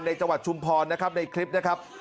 จังหวัดชุมพรนะครับในคลิปนะครับ